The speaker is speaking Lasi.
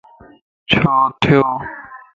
ڇو ٿيو